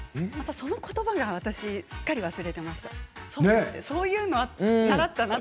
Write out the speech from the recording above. そのことばをすっかり忘れていました私。